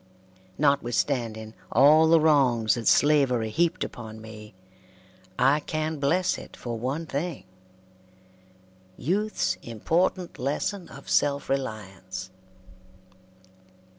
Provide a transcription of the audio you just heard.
Notwithstanding all the wrongs that slavery heaped upon me, I can bless it for one thing youth's important lesson of self reliance.